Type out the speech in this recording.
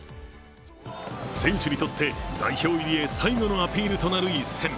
選手にとって代表入りへ最後のアピールとなる一戦。